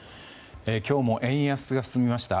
今日も円安が進みました。